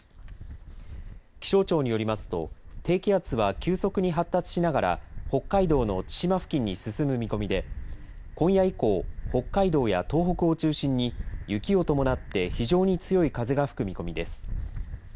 気象庁によりますと低気圧は急速に発達しながら北海道の千島付近に進む見込みで今夜以降、北海道や東北を中心に雪を伴って非常に強い風が吹く見込みです。